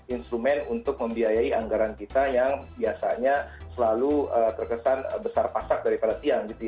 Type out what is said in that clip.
instrumen untuk membiayai anggaran kita yang biasanya selalu terkesan besar pasak daripada tiang